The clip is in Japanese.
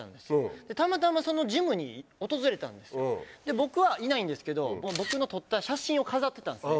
僕はいないんですけど僕の撮った写真を飾ってたんですね